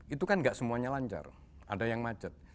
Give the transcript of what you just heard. itu kan gak semuanya lancar ada yang macet